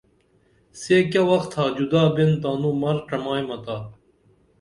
سے کیہ وخ تھا جُدا بین تانوں مر چمایا تا